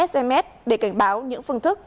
sms để cảnh báo những phương thức